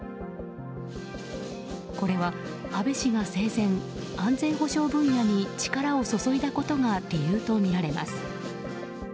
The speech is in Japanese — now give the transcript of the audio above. これは、安倍氏が生前安全保障分野に力を注いだことが理由とみられます。